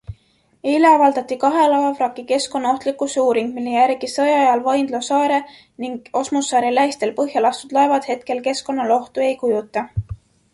Eile avaldati kahe laevavraki keskkonnaohtlikkuse uuring, mille järgi sõja ajal Vaindloo saare ning Osmussaare lähistel põhja lastud laevad hetkel keskkonnale ohtu ei kujuta.